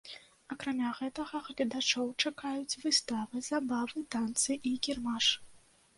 Акрамя гэтага гледачоў чакаюць выставы, забавы, танцы і кірмаш.